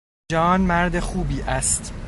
جان مرد خوبی است.